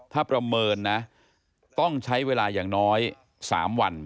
ถ้าประเมินนะต้องใช้เวลาอย่างน้อย๓วัน